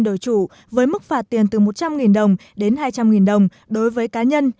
đổi chủ với mức phạt tiền từ một trăm linh đồng đến hai trăm linh đồng đối với cá nhân